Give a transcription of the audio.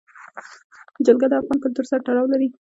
جلګه د افغان کلتور سره تړاو لري.